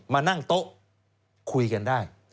มานั่งโต๊ะคุยกันได้